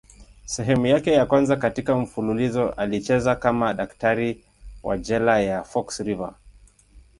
Sehemu yake ya kwanza katika mfululizo alicheza kama daktari wa jela ya Fox River.